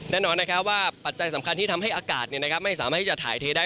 แน่นอนนะครับว่าปัจจัยสำคัญที่ทำให้อากาศไม่สามารถที่จะถ่ายเทได้